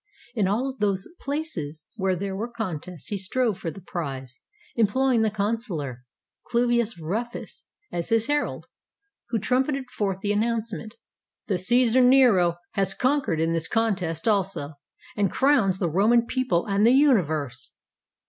In all those places where there were con tests he strove for the prize, employing the consular, Cluvius Rufus, as his herald, who trumpeted forth the announcement, * The Caesar Nero has conquered in this contest also, and crowns the Roman people and the Universe!'"